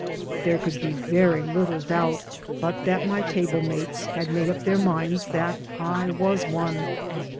There could be very little doubt but that my table mates had made up their minds that I was one.